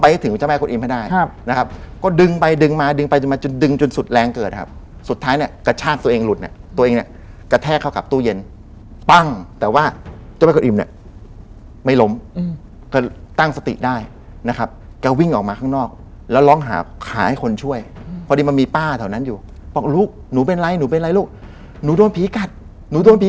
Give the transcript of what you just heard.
เป็นเหมือนคนเขาบอกเนี่ยคนนี้ของจริงนะต้องลองไป